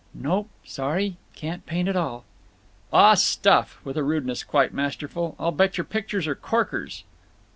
"Nope. Sorry. Can't paint at all." "Ah, stuff!" with a rudeness quite masterful. "I'll bet your pictures are corkers."